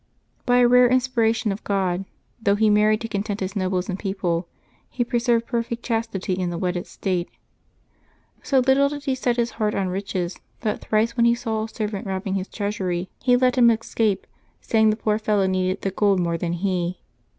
By a rare inspiration of God, though he married to content his nobles and people, he preserved perfect chastity in the wedded state. So little did he set his heart on riches, that thrice when he saw a servant robbing his treasury he let 336 LIVES OF THE SAINTS {October 14 him escape, saying the poor fellow needed the gold more than he.